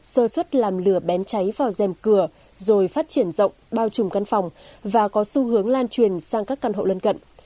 sơ xuất làm lửa bén cháy vào dèm cửa rồi phát triển rộng bao trùm căn phòng và có xu hướng lan truyền sang các căn hộ lân cận